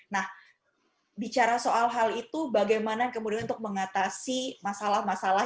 nah bicara soal hal itu bagaimana kemudian untuk mengatasi masalah masalah